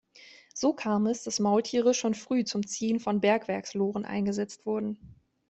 So kam es, dass Maultiere schon früh zum Ziehen von Bergwerks-Loren eingesetzt wurden.